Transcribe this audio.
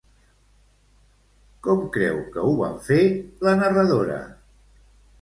Com creu que ho van fer, la narradora?